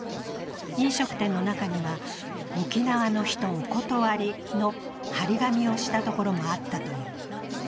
飲食店の中には、「沖縄の人お断り」の貼り紙をしたところもあったという。